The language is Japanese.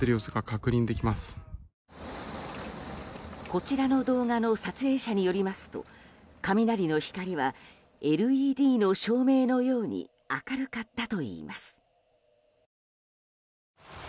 こちらの動画の撮影者によりますと雷の光はＬＥＤの照明のように明るかったといいます。